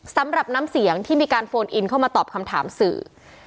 สำหรับน้ำเสียงที่มีการโฟนอินเข้ามาตอบคำถามสื่อ